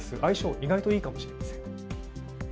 意外といいかもしれません。